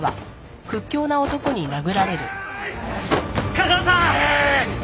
架川さん！